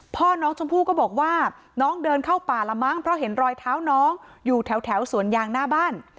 พ่อน้องชมพู่ก็บอกว่าน้องเดินเข้าป่าละมั้งเพราะเห็นรอยเท้าน้องอยู่แถวสวนยางหน้าบ้าน